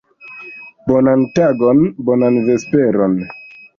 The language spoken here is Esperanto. Bonan tagon, bonan vesperon.